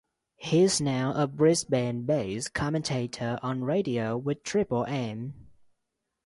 He is now a Brisbane-based commentator on radio with Triple M.